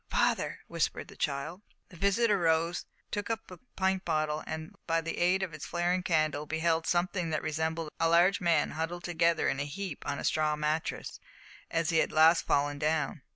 "Father," whispered the child. The visitor rose, took up the pint bottle, and by the aid of its flaring candle beheld something that resembled a large man huddled together in a heap on a straw mattress, as he had last fallen down.